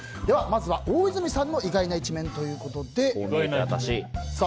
ではまず、大泉さんの意外な一面ということで。